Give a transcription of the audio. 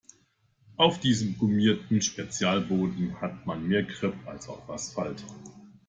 Auf diesem gummierten Spezialboden hat man mehr Grip als auf Asphalt.